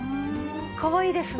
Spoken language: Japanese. かわいいですね。